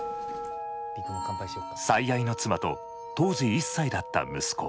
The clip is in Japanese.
最愛の妻と当時１歳だった息子。